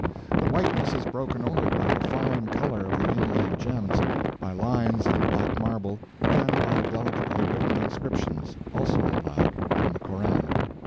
The whiteness is broken only by the fine color of the inlaid gems, by lines in black marble, and by delicately written inscriptions, also in black, from the Koran.